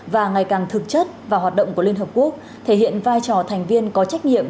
và ngày càng thực chất vào hoạt động của liên hợp quốc thể hiện vai trò thành viên có trách nhiệm